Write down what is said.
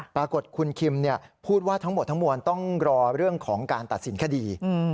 ปรากฏคุณคิมพูดว่าทั้งหมดทั้งมวลต้องรอเรื่องของการตัดสินคดี